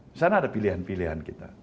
misalnya ada pilihan pilihan kita